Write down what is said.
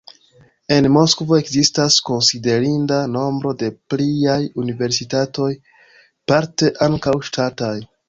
En Moskvo ekzistas konsiderinda nombro da pliaj universitatoj, parte ankaŭ ŝtataj.